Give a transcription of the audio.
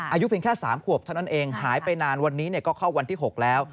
อายุเพียงแค่๓ขวบเท่านั้นเองหายไปนานวันนี้ก็เข้าวันที่๖แล้ว